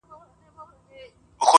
دوه شاهان په مملکت کي نه ځاییږي-